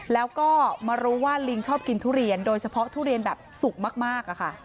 แล้วก็มารู้ว่าลิงชอบกินทุเรียนโดยเฉพาะทุเรียนแบบสุกมากอะค่ะ